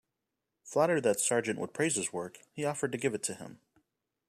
Flattered that Sargent would praise his work, he offered to give it to him.